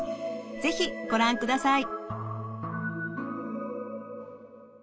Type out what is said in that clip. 是非ご覧ください。